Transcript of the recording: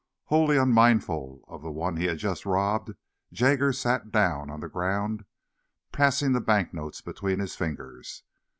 Wholly unmindful of the one he had just robbed, Jaggers sat down on the ground, passing the banknotes between his fingers.